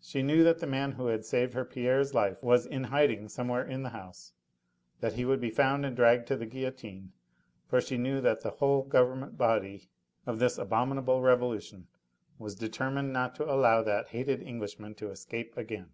She knew that the man who had saved her Pierre's life was in hiding somewhere in the house that he would be found and dragged to the guillotine, for she knew that the whole governing body of this abominable Revolution was determined not to allow that hated Englishman to escape again.